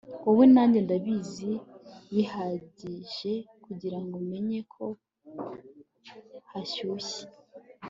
Wowe na njye ndabizi bihagije kugirango menye ko hashyushye